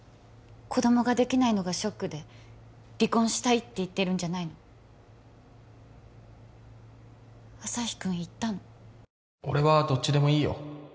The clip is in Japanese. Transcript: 子供ができないのがショックで離婚したいって言ってるんじゃないの旭君言ったの俺はどっちでもいいよ